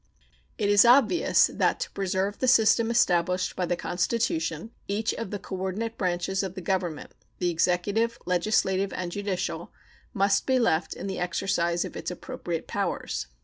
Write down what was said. It is obvious that to preserve the system established by the Constitution each of the coordinate branches of the Government the executive, legislative, and judicial must be left in the exercise of its appropriate powers.